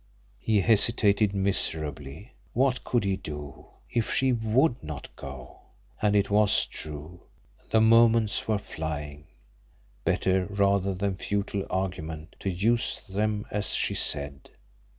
He hesitated miserably. What could he do if she WOULD not go! And it was true the moments were flying. Better, rather than futile argument, to use them as she said.